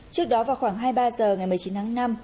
trước đó vào khoảng hai mươi ba h ngày một mươi chín tháng năm